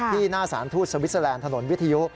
หน้าสารทูตสวิสเตอร์แลนด์ถนนวิทยุ